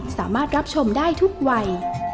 สามารถรับชมได้ทุกวัย